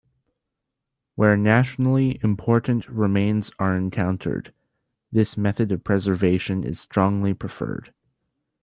Where nationally important remains are encountered this method of preservation is strongly preferred.